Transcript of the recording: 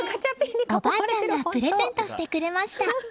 おばあちゃんがプレゼントしてくれました。